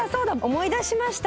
思い出しました。